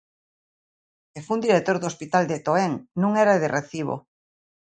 E fun director do hospital de Toén; non era de recibo.